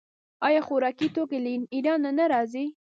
آیا خوراکي توکي له ایران نه راځي؟